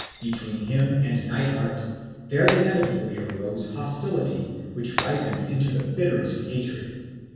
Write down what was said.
Between him and Nithard there inevi tably arose hostility which ripened into the bitterest hatred.